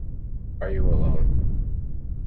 Are you alone?